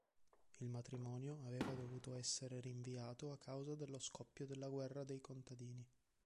Il matrimonio aveva dovuto essere rinviato a causa dello scoppio della guerra dei contadini.